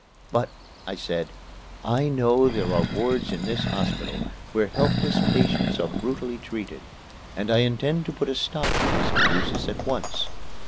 "But," I said, "I know there are wards in this hospital where helpless patients are brutally treated; and I intend to put a stop to these abuses at once.